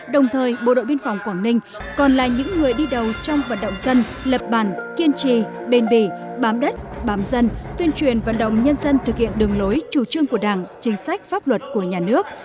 đồng thời bộ đội biên phòng quảng ninh còn là những người đi đầu trong vận động dân lập bàn kiên trì bền bỉ bám đất bám dân tuyên truyền vận động nhân dân thực hiện đường lối chủ trương của đảng chính sách pháp luật của nhà nước